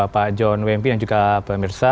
pak jomim mp yang juga pemirsa